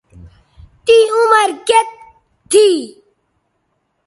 تیں عمر کیئت تھی